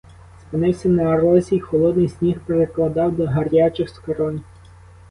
Спинився на розі й холодний сніг прикладав до гарячих скронь.